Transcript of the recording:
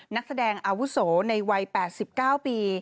นักแสดงอาวุโสในวัย๘๙ปี